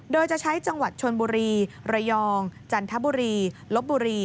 โดยจะใช้จังหวัดชนบุรีระยองจันทบุรีลบบุรี